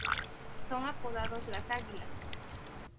Son apodados las "Águilas".